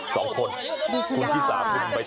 สองคนคุณที่สามคุณไปต่อ